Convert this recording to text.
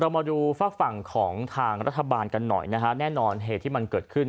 มาดูฝากฝั่งของทางรัฐบาลกันหน่อยนะฮะแน่นอนเหตุที่มันเกิดขึ้น